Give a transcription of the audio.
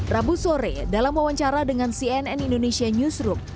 rabu sore dalam wawancara dengan cnn indonesia newsroom